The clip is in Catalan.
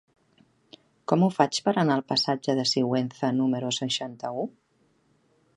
Com ho faig per anar al passatge de Sigüenza número seixanta-u?